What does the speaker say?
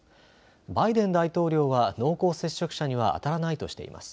バイデン大統領は濃厚接触者には当たらないとしています。